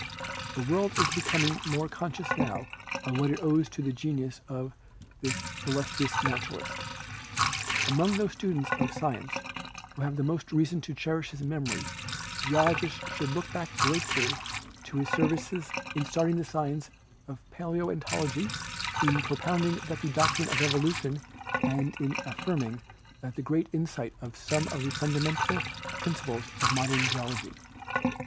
The world is becom ing more conscious now of what it owes to the genius of this illustrious naturalist. Among those students of sci ence who have most reason to cherish his memory geolo gists should look back gratefully to his services in starting the science of paleontology, in propounding the doctrine of evolution and in affirming with great insight some of the fundamental principles of modern geology.